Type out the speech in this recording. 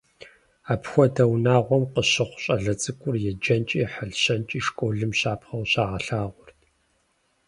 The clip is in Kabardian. Апхуэдэ унагъуэм къыщыхъу щӀалэ цӀыкӀур еджэнкӀи хьэлщэнкӀи школым щапхъэу щагъэлъагъуэрт.